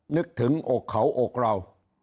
นึกถึงอกเขาอกเรา